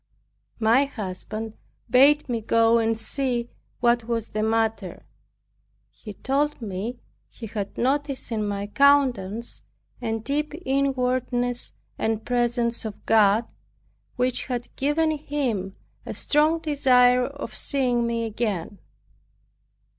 My husband bade me go and see what was the matter. He told me he had noticed in my countenance a deep inwardness and presence of God, which had given him a strong desire of seeing me again.